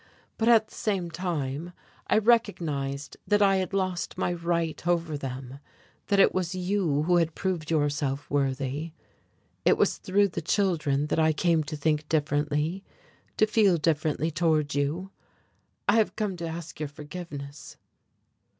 But at the same time I recognized that I had lost my right over them, that it was you who had proved yourself worthy.... It was through the children that I came to think differently, to feel differently toward you. I have come to you to ask your forgiveness."